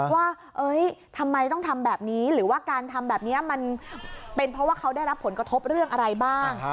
ว่าทำไมต้องทำแบบนี้หรือว่าการทำแบบนี้มันเป็นเพราะว่าเขาได้รับผลกระทบเรื่องอะไรบ้าง